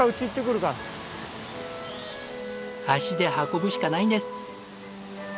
足で運ぶしかないんです。